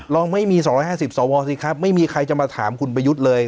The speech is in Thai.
ไม่มี๒๕๐สวสิครับไม่มีใครจะมาถามคุณประยุทธ์เลย